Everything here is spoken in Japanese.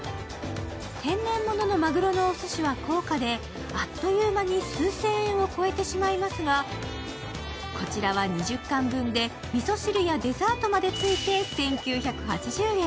天然もののマグロのおすしは高価であっという間に数千円を超えてしまいますが、こちらは２０貫分で、みそ汁やデザートまでついて１９８０円。